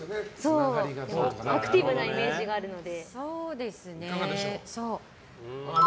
アクティブなイメージがあるので。